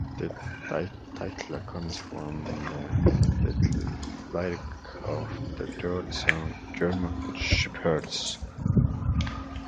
The title comes from the lyrics of the third song, "German Shepherds".